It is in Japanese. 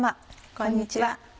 こんにちは。